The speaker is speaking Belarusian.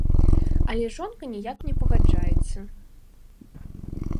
Але жонка ніяк не пагаджаецца.